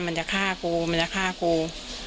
มันจะฆ่ากูมันจะฆ่ากู